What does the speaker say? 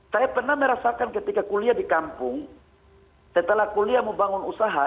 saya pernah merasakan ketika kuliah di kampung setelah kuliah membangun usaha